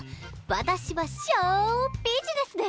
私はショウビジネスで。